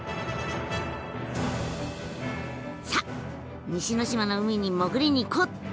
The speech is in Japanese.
さあ西ノ島の海に潜りに行こう！